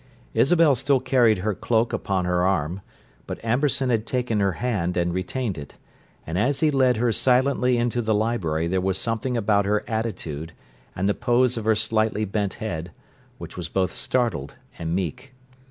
Isabel still carried her cloak upon her arm, but Amberson had taken her hand, and retained it; and as he led her silently into the library there was something about her attitude, and the pose of her slightly bent head, that was both startled and meek.